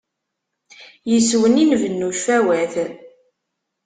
Yes-wen i nbennu cfawat.